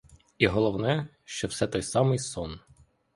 І головне, що все той самий сон.